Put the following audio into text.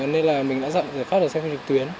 nên là mình đã dặn để có thể xem phim trực tuyến